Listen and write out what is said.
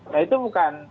nah itu bukan